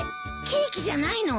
ケーキじゃないの？